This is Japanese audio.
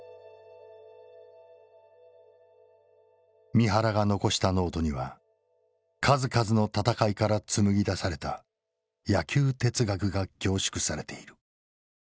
三原が残したノートには数々の戦いから紡ぎ出された野球哲学が凝縮されている。